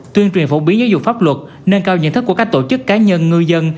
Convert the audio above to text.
tuyên truyền phổ biến giáo dục pháp luật nâng cao nhận thức của các tổ chức cá nhân ngư dân